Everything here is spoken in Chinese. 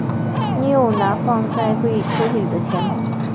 你有拿放在抽屉里的钱吗？